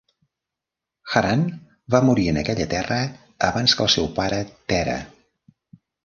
Haran va morir en aquella terra abans que el seu pare Tèrah.